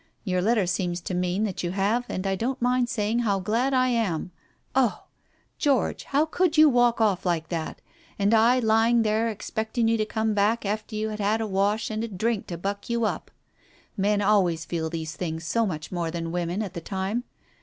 Your letter seems to mean that you have, and I don't mind saying how glad I am ! Oh ! George, how could you walk off like that, and I lying there expecting you to come back after you had had a wash and a drink to buck you up. Men always feel these things so much more than women, at the time.